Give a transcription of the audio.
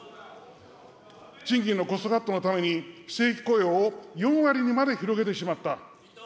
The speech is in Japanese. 賃金のコストカットのために非正規雇用を４割にまで広げてしまった。